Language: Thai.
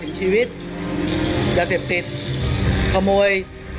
อันดับสุดท้าย